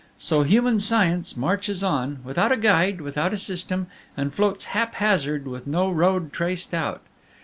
So human science marches on, without a guide, without a system, and floats haphazard with no road traced out.